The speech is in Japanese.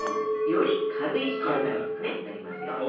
より軽い仕上がりになりますよ。